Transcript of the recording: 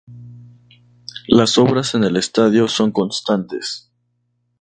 Las obras en el estadio son constantes.